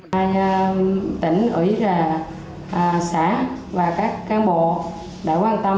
các tỉnh ủy xã và các cán bộ đã quan tâm